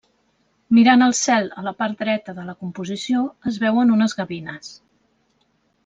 Mirant al cel a la part dreta de la composició es veuen unes gavines.